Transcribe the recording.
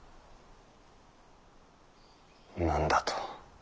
何だと？